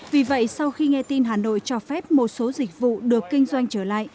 vì vậy sau khi nghe tin hà nội cho phép một số dịch vụ được kinh doanh trở lại